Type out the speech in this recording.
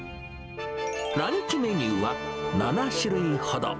ランチメニューは７種類ほど。